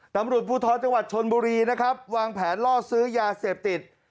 ตำรวจภูทรจังหวัดชนบุรีนะครับวางแผนล่อซื้อยาเสพติด